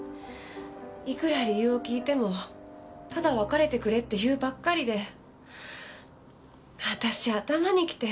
いくら理由を聞いてもただ別れてくれって言うばっかりで私頭にきて。